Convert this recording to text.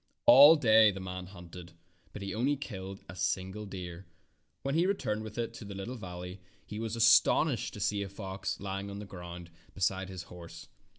All day the man hunted, but he only killed a single deer. When he returned with it to the little valley he was astonished to see a fox lying in the grass beside his horse.